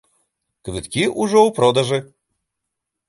Квіткі ўжо ў продажы.